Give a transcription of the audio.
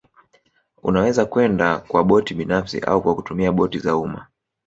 Unaweza kwenda kwa boti binafsi au kwa kutumia boti za umma